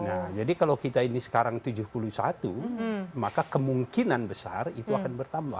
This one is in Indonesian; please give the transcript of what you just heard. nah jadi kalau kita ini sekarang tujuh puluh satu maka kemungkinan besar itu akan bertambah